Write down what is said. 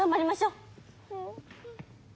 うん。